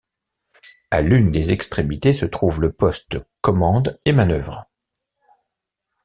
À l'une des extrémités se trouve le poste commande et manœuvres.